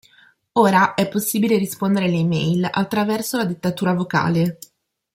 Ora è possibile rispondere alle email attraverso la dettatura vocale.